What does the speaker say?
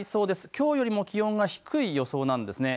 きょうよりも気温が低い予想なんです。